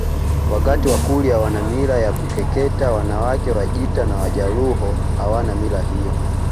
wakati Wakurya wana mila ya kukeketa wanawake Wajita na Wajaluo hawana mila hiyo